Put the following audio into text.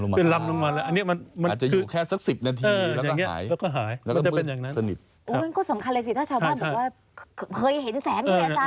คือสำคัญสำคัญเลยอย่างนี้ถ้าเจ้าบ้านหนูว่าเคยเห็นแสง